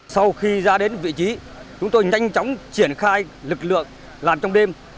sau khi ra đến vị trí chúng tôi nhanh chóng triển khai lực lượng làm trong đêm